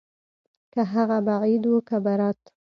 که هغه به عيد وو که ببرات.